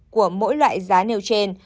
của mỗi loại giá nêu trên